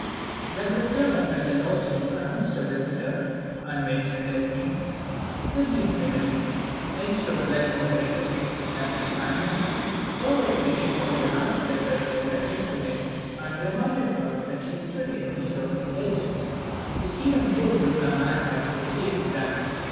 When the servant at the lodgings announced a visitor, and mentioned his name, Sydney's memory (instead of dwelling on the recollection of the Captain's kindness) perversely recalled the letter that she had addressed to him, and reminded her that she stood in need of indulgence, which even so good a man might hesitate to grant.